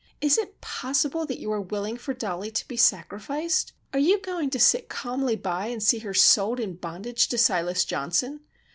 "Is it possible that you are willing for Dollie to be sacrificed? Are you going to sit calmly by and see her sold in bondage to Silas Johnson?"